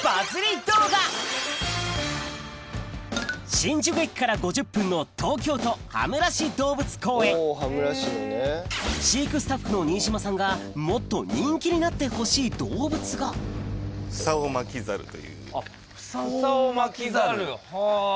新宿駅から５０分の飼育スタッフの新島さんがもっと人気になってほしい動物がフサオマキザル。